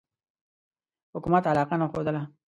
حکومت علاقه نه ښودله.